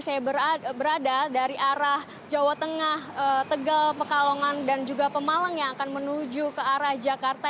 saya berada dari arah jawa tengah tegal pekalongan dan juga pemalang yang akan menuju ke arah jakarta